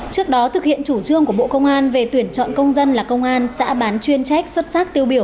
trước đó thực hiện chủ trương của bộ công an về tuyển chọn công dân là công an xã bán chuyên trách xuất sắc tiêu biểu